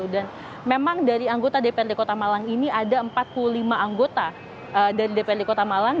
dan memang dari anggota dprd kota malang ini ada empat puluh lima anggota dari dprd kota malang